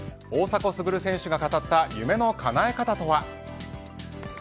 大迫傑選手が語った夢のかなえ方とは。